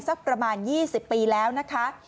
สักประมาณ๒๐ปีแล้วนะคะ